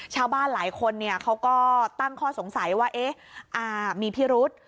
ชาวบ้านหลายคนเขาก็ตั้งข้อสงสัยว่ามีพิรุษ